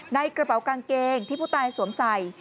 ในกระเป๋ากางเกงที่ผู้ตายสวมใส่